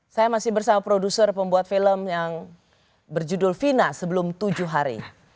saya masih bersama produser pembuat film yang berjudul fina sebelum tujuh hari